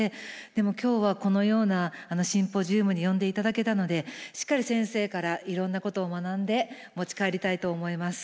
でも今日はこのようなシンポジウムに呼んでいただけたのでしっかり先生からいろんなことを学んで持ち帰りたいと思います。